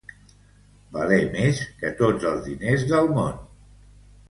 Valer més que tots els diners del món.